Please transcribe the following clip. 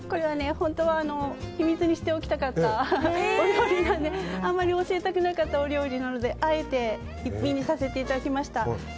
本当は秘密にしておきたかったお料理なのであまり教えたくなかったお料理なのであえて逸品にさせていただきました。